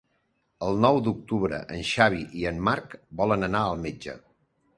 El nou d'octubre en Xavi i en Marc volen anar al metge.